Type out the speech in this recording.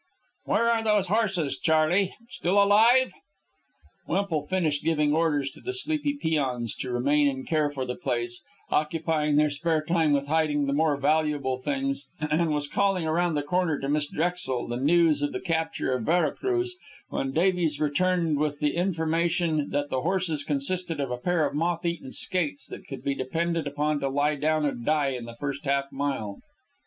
"Where are those horses, Charley? Still alive?" Wemple finished giving orders to the sleepy peons to remain and care for the place, occupying their spare time with hiding the more valuable things, and was calling around the corner to Miss Drexel the news of the capture of Vera Cruz, when Davies returned with the information that the horses consisted of a pair of moth eaten skates that could be depended upon to lie down and die in the first half mile.